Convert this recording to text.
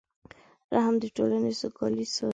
رحم د ټولنې سوکالي ساتي.